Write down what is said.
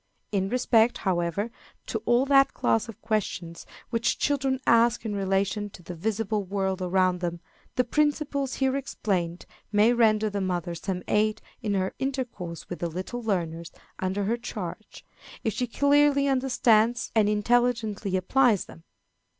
In respect, however, to all that class of questions which children ask in relation to the visible world around them, the principles here explained may render the mother some aid in her intercourse with the little learners under her charge, if she clearly understands and intelligently applies them.